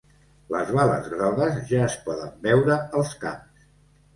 Les bales grogues ja es poden veure als camps.